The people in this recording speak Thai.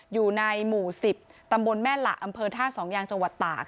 อยู่ในหมู่๑๐ตำบลแม่หละอำเภอท่าสองยางจังหวัดตาก